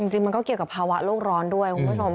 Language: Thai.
จริงมันก็เกี่ยวกับภาวะโลกร้อนด้วยคุณผู้ชม